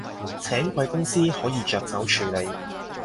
請貴公司可以着手處理